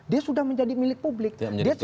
dia sudah menjadi milik publik